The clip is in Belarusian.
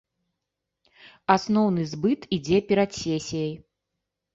Асноўны збыт ідзе перад сесіяй.